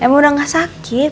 emang udah gak sakit